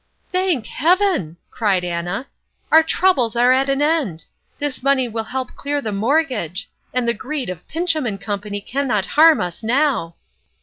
"Thank Heaven!" cried Anna, "our troubles are at an end. This money will help clear the mortgage—and the greed of Pinchem & Co. cannot harm us now."